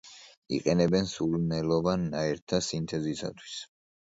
იყენებენ სურნელოვან ნაერთთა სინთეზისათვის.